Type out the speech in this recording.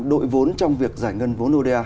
đội vốn trong việc giải ngân vốn oda